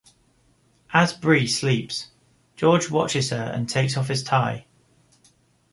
As Bree sleeps, George watches her and takes off his tie.